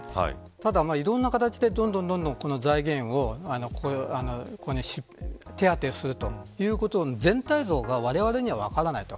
ただ、いろんな形でこの財源を手当てするということを全体像がわれわれには分からないと。